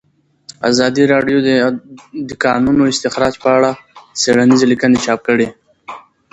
ازادي راډیو د د کانونو استخراج په اړه څېړنیزې لیکنې چاپ کړي.